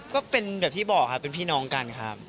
ก็เป็นแบบที่บอกครับเป็นพี่น้องกันครับ